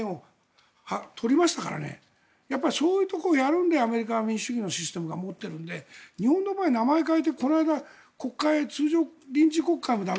そういうところをやるのでアメリカは民主主義のシステムを守っているので日本の場合は名前を変えてこの間、臨時国会も駄目。